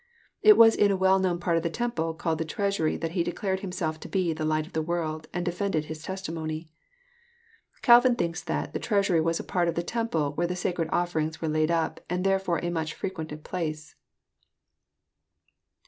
It was in a well known part of the temple called the treasury that He declared Himself to be '* the light of the world," and defended His testimony. Calvin thinks that *< the treasury was a part of the temple where the sacred offerings were laid up, and therefore a much frequented place."